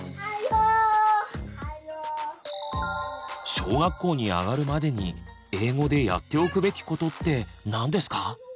小学校に上がるまでに英語でやっておくべきことって何ですか？